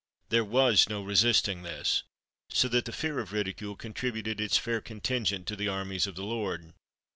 There was no resisting this; so that the fear of ridicule contributed its fair contingent to the armies of the Lord.